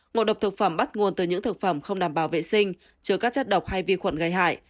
ngộ độc thực phẩm bắt nguồn từ những thực phẩm không đảm bảo vệ sinh chứa các chất độc hay vi khuẩn gây hại